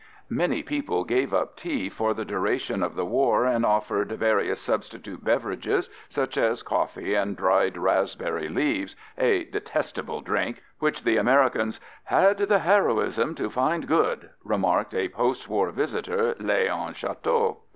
_ Many people gave up tea for the duration of the war and offered various substitute beverages such as coffee and dried raspberry leaves, "a detestable drink" which the Americans "had the heroism to find good," remarked a postwar visitor, Léon Chotteau.